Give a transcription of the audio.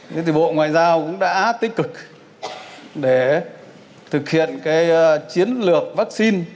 thế thì bộ ngoại giao cũng đã tích cực để thực hiện cái chiến lược vaccine